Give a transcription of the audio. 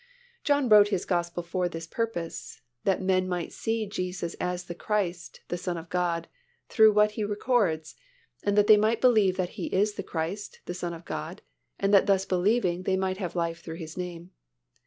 John wrote his Gospel for this purpose, that men might see Jesus as the Christ, the Son of God, through what he records, and that they might believe that He is the Christ, the Son of God, and that thus believing they might have life through His name.